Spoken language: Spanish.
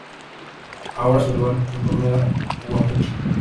Ahora su rival en turno era Guamúchil.